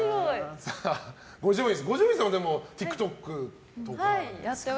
五条院さんはＴｉｋＴｏｋとか。